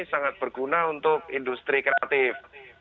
sangat berguna untuk industri kreatif